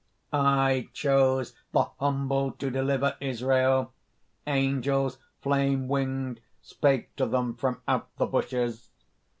"I chose the humble to deliver Israel. Angels, flame winged, spake to them from out the bushes.